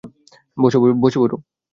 বোসো বসে পড়ো।